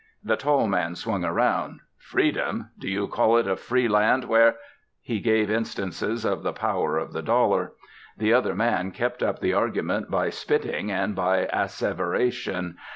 The tall man swung round: "Freedom! do you call it a free land, where " He gave instances of the power of the dollar. The other man kept up the argument by spitting and by asseveration.